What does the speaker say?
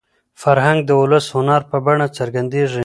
فرهنګ د ولسي هنر په بڼه څرګندېږي.